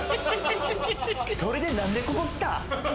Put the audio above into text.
それでなんでここ来た？